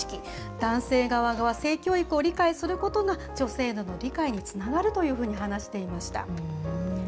男性側が性教育を理解することが、女性への理解につながるというふうに話していました。